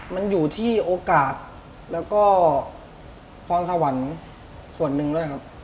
มันอยู่ที่โอกาสแล้วก็พรสวรรค์ส่วนหนึ่งด้วยครับ